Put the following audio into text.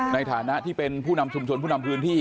ในฐานะที่เป็นผู้นำชุมชนผู้นำพื้นที่